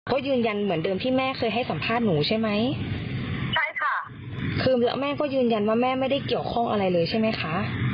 โอ้โหอะไรเดี๋ยวให้ว่ากันนะคะ